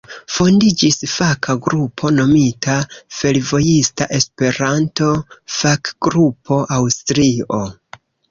Fondiĝis faka grupo nomita "Fervojista Esperanto-Fakgrupo Aŭstrio".